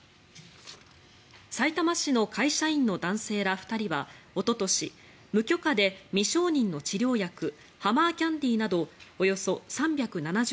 さいたま市の会社員の男性ら２人はおととし無許可で未承認の治療薬ハマーキャンディーなどおよそ３７０個